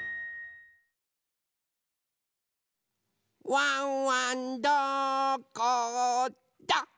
ワンワンどこだ？